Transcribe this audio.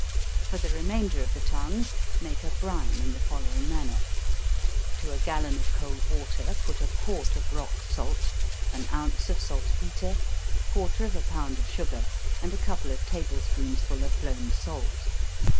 For the remainder of the tongues, make a brine in the following manner to a gallon of cold water, put a quart of rock salt, an ounce of salt petre, quarter of a pound of sugar, and a couple of table spoonsful of blown salt.